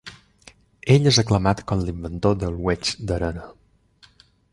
Ell és aclamat com l'inventor del wedge d'arena.